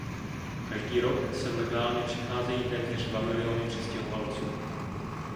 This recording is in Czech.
Každý rok sem legálně přicházejí téměř dva miliony přistěhovalců.